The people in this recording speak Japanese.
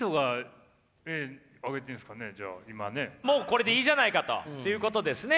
もうこれでいいじゃないかということですね。